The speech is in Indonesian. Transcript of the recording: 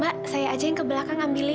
mbak saya aja yang ke belakang ngambilin